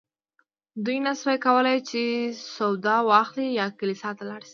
دوی نه شوای کولی چې سودا واخلي یا کلیسا ته لاړ شي.